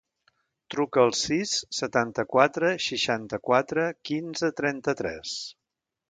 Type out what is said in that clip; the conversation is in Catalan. Truca al sis, setanta-quatre, seixanta-quatre, quinze, trenta-tres.